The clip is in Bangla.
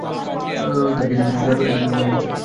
কিছু ছাত্র-ছাত্রীরা তোমার জন্য এটা বানিয়েছে।